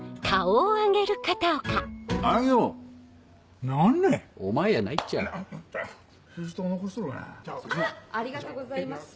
ありがとうございます。